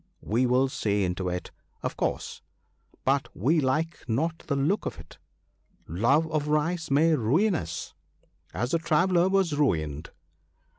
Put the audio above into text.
We will see into it, of course, but We like not the look of it ;— love of rice may ruin us, as the Traveller was ruined.